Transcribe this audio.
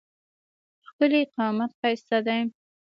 ښکېلی قامت ښایسته دی.